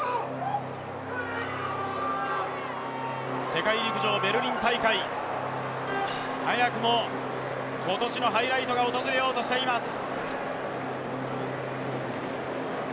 世界陸上ベルリン大会早くも今年のハイライトが訪れようとしています。